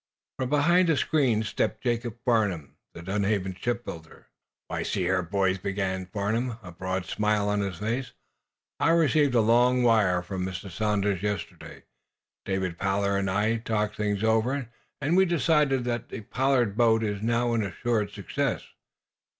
From behind a screen stepped Jacob Farnum, the Dunhaven shipbuilder. "Why, see here, boys," began Farnum, a broad smile on his face, "I received a long wire from Mr. Sanders yesterday. Dave Pollard and I talked this thing over, and we decided that the Pollard boat is now an assured success.